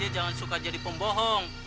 iya jang jangan suka jadi pembohong